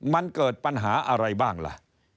มันเกิดปัญหาอะไรบ้างล่ะ